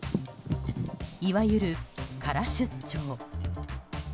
いわゆる空出張。